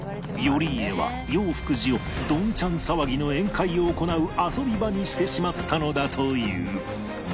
頼家は永福寺をどんちゃん騒ぎの宴会を行う遊び場にしてしまったのだという